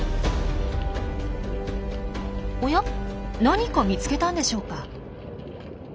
おや何か見つけたんでしょうか。